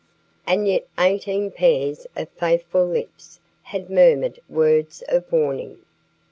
And yet eighteen pairs of faithful lips had murmured words of warning.